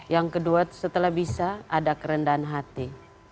yang kedua setelah bisa ada kerendahan hati